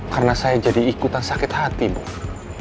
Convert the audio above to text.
karena saya jadi ikutan sakit hati bunda wong